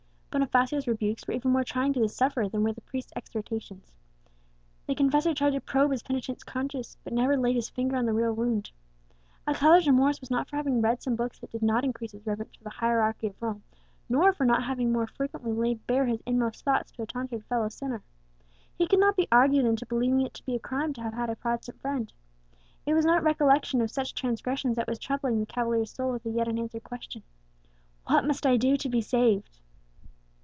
Bonifacio's rebukes were even more trying to the sufferer than were the priest's exhortations. The confessor tried to probe his penitent's conscience, but never laid his finger on the real wound. Alcala's remorse was not for having read some books that did not increase his reverence for the hierarchy of Rome, nor for not having more frequently laid bare his inmost thoughts to a tonsured fellow sinner. He could not be argued into believing it to be a crime to have had a Protestant friend. It was not recollection of such transgressions that was troubling the cavalier's soul with the yet unanswered question, "What must I do to be saved?"